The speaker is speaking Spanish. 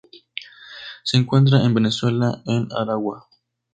Se encuentra en Venezuela en Aragua.